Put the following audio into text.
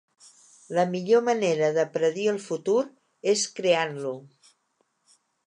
La millor manera de predir el futur és creant-lo.